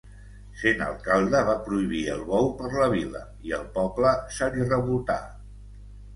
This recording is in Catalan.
Sent alcalde va prohibir el bou per la vila i el poble se li revoltà.